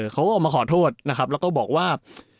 เขาก็ออกมาขอโทษนะครับแล้วก็บอกว่า